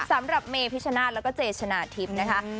สำหรับเมย์พิชชนะแล้วก็เจชนะทิศนะคะ